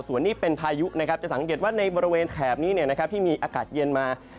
ส่วนนี้เป็นพายุนะครับจะสังเกตว่าในบริเวณแถบนี้ที่มีอากาศเย็นมา